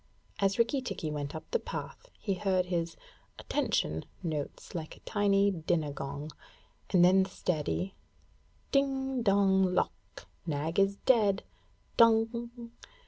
As Rikki tikki went up the path, he heard his 'attention' notes like a tiny dinner gong; and then the steady 'Ding dong lock! Nag is dead _dong!